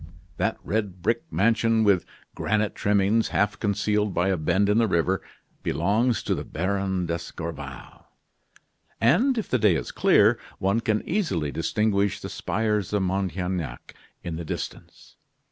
That red brick mansion, with granite trimmings, half concealed by a bend in the river, belongs to the Baron d'Escorval. And, if the day is clear, one can easily distinguish the spires of Montaignac in the distance.